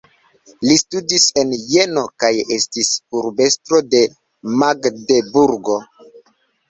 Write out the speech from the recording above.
Li studis en Jeno kaj estis urbestro de Magdeburgo.